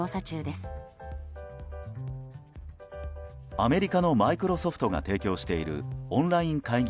アメリカのマイクロソフトが提供しているオンライン会議